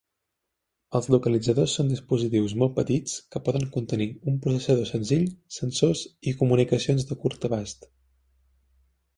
Els localitzadors són dispositius molt petits que poden contenir un processador senzill, sensors, i comunicacions de curt abast.